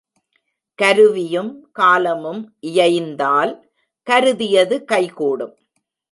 கருவியும் காலமும் இயைந்தால் கருதியது கைகூடும்.